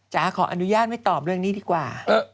ขออนุญาตไม่ตอบเรื่องนี้ดีกว่า